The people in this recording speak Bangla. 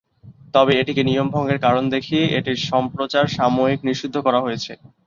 তবে এটিকে নিয়ম ভঙ্গের কারণ দেখিয়ে এটির সম্প্রচার সাময়িক নিষিদ্ধ করা হয়েছে।